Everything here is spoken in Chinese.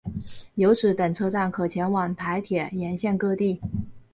由此等车站可前往台铁沿线各地。